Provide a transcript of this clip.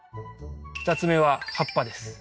２つ目は葉っぱです。